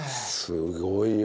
すごいよ。